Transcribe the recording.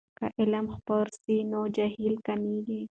که علم خپور سي نو جهل کمېږي.